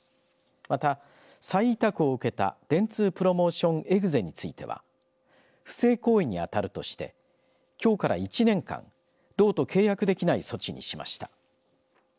また、再委託を受けた電通プロモーションエグゼについては不正行為に当たるとしてきょうから１年間道と契約できない措置にしました。